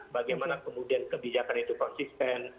bagaimana kemudian kebijakan itu konsisten